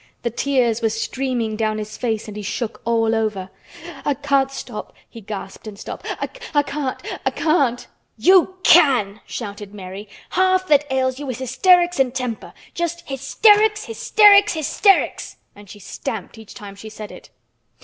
The tears were streaming down his face and he shook all over. "I can't stop!" he gasped and sobbed. "I can't—I can't!" "You can!" shouted Mary. "Half that ails you is hysterics and temper—just hysterics—hysterics—hysterics!" and she stamped each time she said it.